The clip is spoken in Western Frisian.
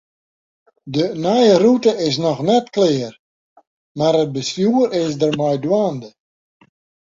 De nije rûte is noch net klear, mar it bestjoer is der mei dwaande.